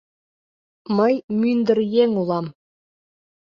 — Мый мӱндыр еҥ улам...